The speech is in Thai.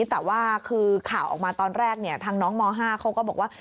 แต่ว่าคือข่าวออกมาตอนแรกทางน้องม๕เขาก็บอกว่า